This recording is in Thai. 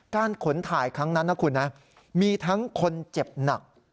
การขนถ่ายครั้งนั้นมีทั้งคนเจ็บหนัก